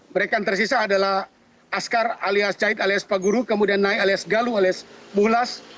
mereka tersisa adalah askar alias cahit alias paguru kemudian nay alias galuh alias mulas